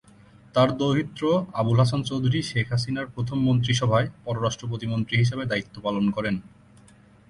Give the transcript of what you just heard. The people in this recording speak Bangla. তার দৌহিত্র আবুল হাসান চৌধুরী শেখ হাসিনার প্রথম মন্ত্রিসভায় পররাষ্ট্র প্রতিমন্ত্রী হিসেবে দায়িত্ব পালন করেন।